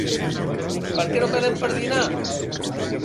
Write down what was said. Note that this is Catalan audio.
Per què no quedem per dinar?